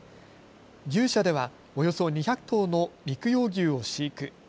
牛舎ではおよそ２００頭の肉用牛を飼育。